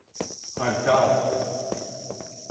I've got it!